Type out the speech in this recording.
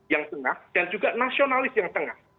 yang tengah dan juga nasionalis yang tengah